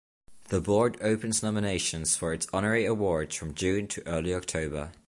The Board opens nominations for its honorary awards from June to early October.